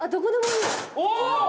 お！